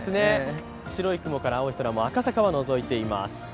白い雲から青い空も赤坂はのぞいています。